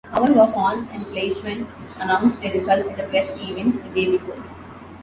However, Pons and Fleischmann announced their results at a press event the day before.